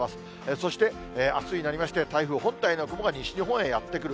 そしてあすになりまして、台風本体の雲が西日本へやって来る。